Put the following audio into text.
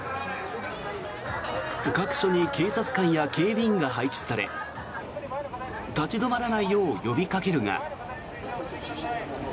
各所に警察官や警備員が配置され立ち止まらないよう呼びかけるが。